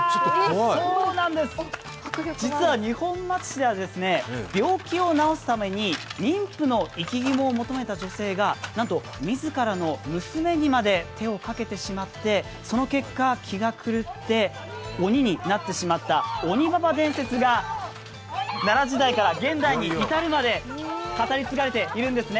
そうなんです、実は二本松市では病気を治すために妊婦の生き肝を求めた女性がなんと自らの娘にまで手をかけてしまってその結果、気が狂って鬼になってしまった鬼婆伝説が奈良時代から現代に至るまで語り継がれているんですね。